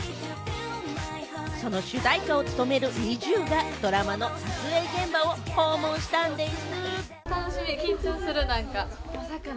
その主題歌を務めるＮｉｚｉＵがドラマの撮影現場を訪問したんでぃす。